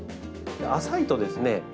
浅いとですね